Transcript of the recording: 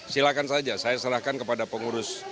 silahkan saja saya serahkan kepada pengurus